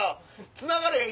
つながれへん。